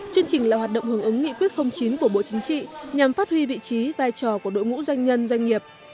chương trình là hoạt động hưởng ứng nghị quyết chín của bộ chính trị nhằm phát huy vị trí vai trò của đội ngũ doanh nhân doanh nghiệp